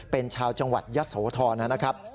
เป็นชาวจังหวัดยะโสธรนะครับ